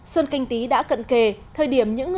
xuân canh tý đã cận kề